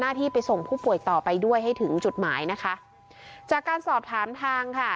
ที่ไปส่งผู้ป่วยต่อไปด้วยให้ถึงจุดหมายนะคะจากการสอบถามทางค่ะ